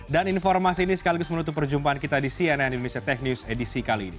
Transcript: dan informasi ini sekaligus menutup perjumpaan kita di cnn indonesia tech news edisi kali ini